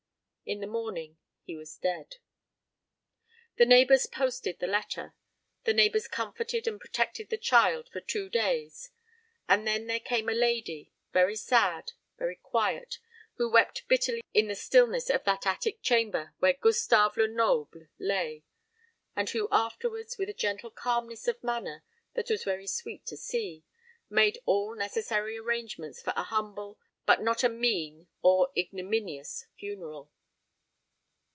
In the morning he was dead. The neighbours posted the letter. The neighbours comforted and protected the child for two days; and then there came a lady, very sad, very quiet, who wept bitterly in the stillness of that attic chamber where Gustave Lenoble lay; and who afterwards, with a gentle calmness of manner that was very sweet to see, made all necessary arrangements for a humble, but not a mean or ignominious, funeral.